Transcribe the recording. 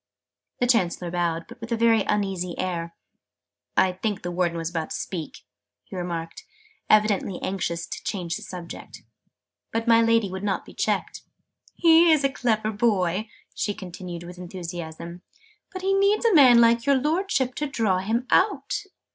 The Chancellor bowed, but with a very uneasy air. "I think the Warden was about to speak," he remarked, evidently anxious to change the subject. But my Lady would not be checked. "He is a clever boy," she continued with enthusiasm, "but he needs a man like your Lordship to draw him out!"